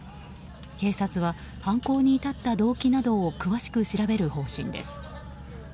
警察は犯行に至った動機などを詳しく調べる方針です。